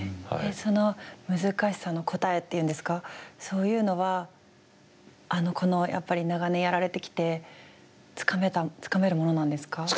その難しさの答えっていうんですかそういうのはこのやっぱり長年やられてきてつかめたつかめるものなんですか？